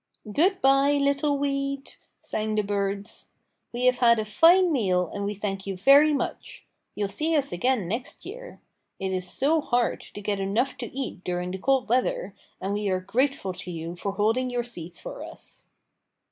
"Good bye, little weed," sang the birds. "We have had a fine meal and we thank you very much. You'll see us again next year. It is so hard to get enough to eat during the cold weather, and we are grateful to you for holding your seeds for us."